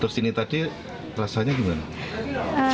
terus ini tadi rasanya gimana